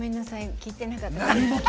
聞いてなかった。